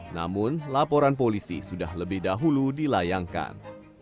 namun laporan polisi sudah lebih dahulu dilayangkan